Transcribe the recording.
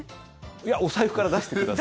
いやお財布から出してください。